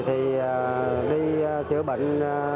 thì đi chữa bệnh